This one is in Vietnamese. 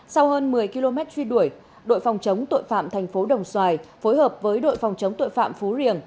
sau hơn một mươi km truy đuổi đội phòng chống tội phạm thành phố đồng xoài phối hợp với đội phòng chống tội phạm phú riềng